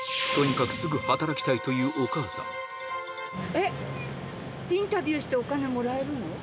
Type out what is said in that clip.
とにかくすぐ働きたいというえっ、インタビューしてお金もらえるの？